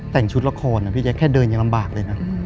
แต่งชุดละครนะพี่แจ๊แค่เดินยังลำบากเลยนะ